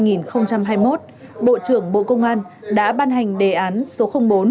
ngày hai mươi một tháng năm năm hai nghìn hai mươi một bộ trưởng bộ công an đã ban hành đề án số bốn